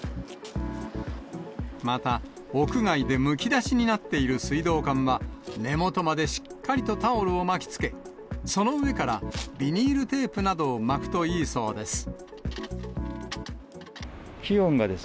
また、屋外でむき出しになっている水道管は、根元までしっかりとタオルを巻きつけ、その上からビニールテープなどを巻くといいそうです。